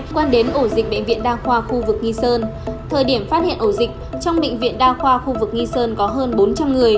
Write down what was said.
quan đến ổ dịch bệnh viện đa khoa khu vực nghi sơn thời điểm phát hiện ổ dịch trong bệnh viện đa khoa khu vực nghi sơn có hơn bốn trăm linh người